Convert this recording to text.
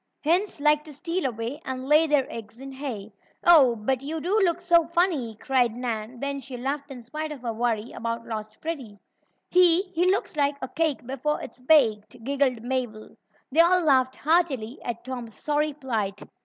Hens like to steal away, and lay their eggs in hay." "Oh, but you do look so funny!" cried Nan, then she laughed in spite of her worry about lost Freddie. "He he looks like a cake before it's baked!" giggled Mabel. They all laughed heartily at Tom's sorry plight.